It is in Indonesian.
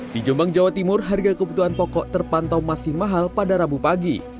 di jombang jawa timur harga kebutuhan pokok terpantau masih mahal pada rabu pagi